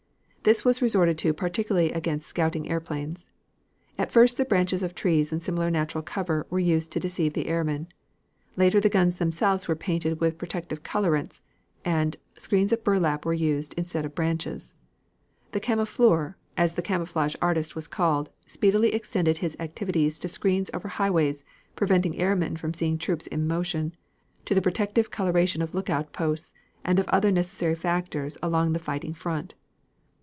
This was resorted to particularly against scouting airplanes. At first the branches of trees and similar natural cover were used to deceive the airmen. Later the guns themselves were painted with protective colorations, and screens of burlap were used instead of branches. The camoufleur, as the camouflage artist was called, speedily extended his activities to screens over highways, preventing airmen from seeing troops in motion, to the protective coloration of lookout posts, and of other necessary factors along the fighting front.